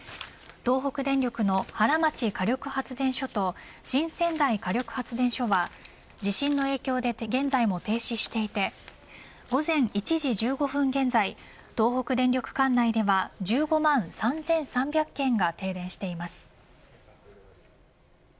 東北電力の原町火力発電所と新仙台火力発電所は地震の影響で現在も停止していて午前１時１５分現在東北電力管内では１５万３３００軒が停電しています。